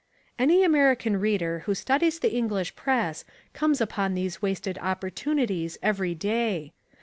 Any American reader who studies the English Press comes upon these wasted opportunities every day.